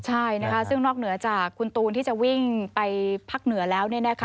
ใช่นะคะซึ่งนอกเหนือจากคุณตูนที่จะวิ่งไปภาคเหนือแล้ว